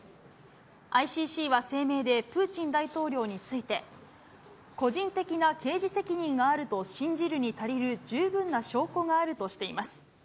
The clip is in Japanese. ＩＣＣは声明で、プーチン大統領について、個人的な刑事責任があると信じるに足りる十分な証拠があるとしています。